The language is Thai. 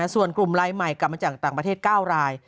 ส่วนกลุ่มรายใหม่กลับมาจากต่างประเทศ๙ราย